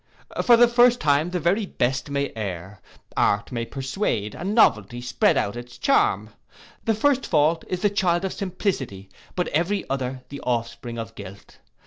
For the first time the very best may err; art may persuade, and novelty spread out its charm. The first fault is the child of simplicity; but every other the offspring of guilt.